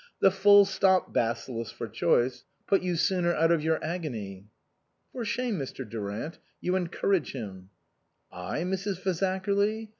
"The full stop bacillus for choice put you sooner out of your agony." "For shame, Mr. Durant; you encourage him." " I, Mrs. Fazakerly ?